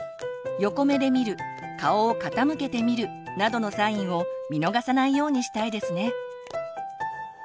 横目で見る顔を傾けて見るなどのサインを見逃さないようにしたいですね。